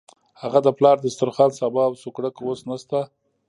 هغه د پلار د دسترخوان سابه او سوکړک اوس نشته.